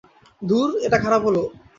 ধুর, এটা খারাপ হলো।